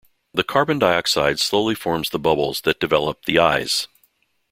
The carbon dioxide slowly forms the bubbles that develop the "eyes".